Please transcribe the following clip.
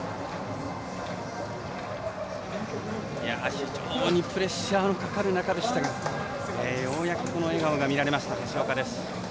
非常にプレッシャーのかかる中でしたがようやく笑顔が見られました。